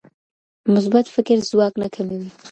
مثبت فکر ځواک نه کموي.